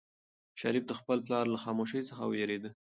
شریف د خپل پلار له خاموشۍ څخه وېرېده.